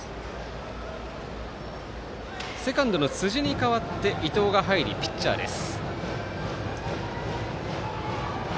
セカンドの辻に代わって伊東が入ってピッチャーです。